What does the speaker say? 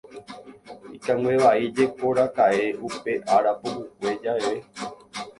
Ikanguevaíjekoraka'e upe ára pukukue javeve.